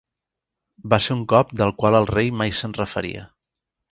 Va ser un cop del qual el rei mai se'n refaria.